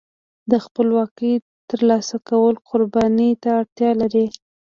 د خپلواکۍ ترلاسه کول قربانۍ ته اړتیا لري.